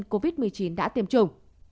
vì covid một mươi chín đã tiêm chủng